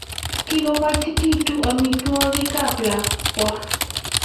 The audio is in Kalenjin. Kikoitititun omitwogikab lakwe